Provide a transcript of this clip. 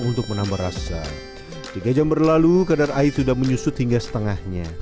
untuk menambah rasa tiga jam berlalu kadar air sudah menyusut hingga setengahnya